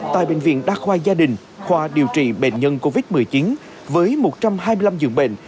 tại bệnh viện đa khoa gia đình khoa điều trị bệnh nhân covid một mươi chín với một trăm hai mươi năm dường bệnh